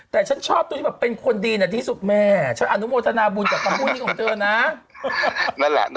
แต่ฉันชอบตัวที่แบบเป็นคนดีที่สุดแม่ฉันอนุโมทนาบุญกับคำพูดนี้ของเธอนะ